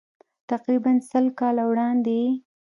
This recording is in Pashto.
تقریباً سل کاله وړاندې یې.